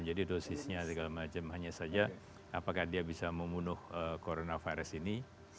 jadi dosisnya segala macam hanya saja apakah dia bisa membunuh coronavirus ini